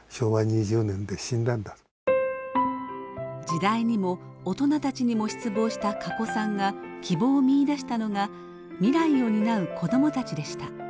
時代にも大人たちにも失望したかこさんが希望を見いだしたのが未来を担う子どもたちでした。